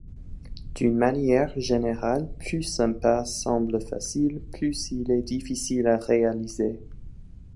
D'une manière générale, plus un pas semble facile, plus il est difficile à réaliser.